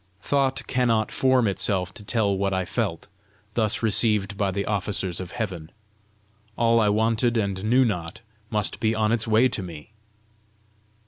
Thought cannot form itself to tell what I felt, thus received by the officers of heaven. All I wanted and knew not, must be on its way to me!